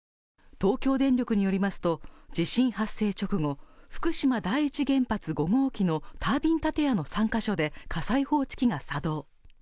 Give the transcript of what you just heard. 東京電力によりますと、地震発生直後、福島第１原発５号機のタービン建屋の３ヶ所で火災報知器が作動。